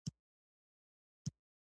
پسه د طهارت سمبول دی.